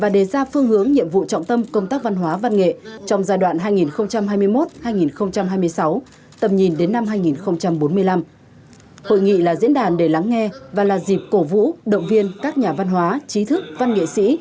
để lắng nghe và là dịp cổ vũ động viên các nhà văn hóa trí thức văn nghệ sĩ